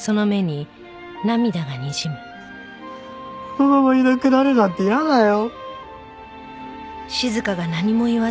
このままいなくなるなんて嫌だよ。